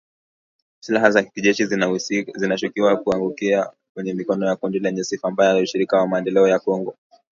Silaha za jeshi zinashukiwa kuangukia kwenye mikono ya kundi lenye sifa mbaya la Ushirikiano wa Maendeleo ya Kongo.